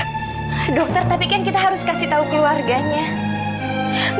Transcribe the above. hah dokter tapi kan kita harus kasih tahu keluarganya